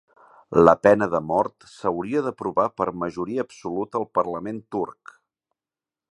La pena de mort s'hauria d'aprovar per majoria absoluta al parlament turc